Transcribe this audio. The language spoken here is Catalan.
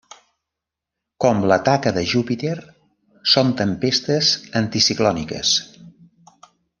Com la taca de Júpiter, són tempestes anticiclòniques.